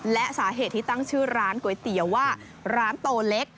และสาเหตุที่ตั้งชื่อร้านก๋วยเตี๋ยวว่าร้านโตเล็ก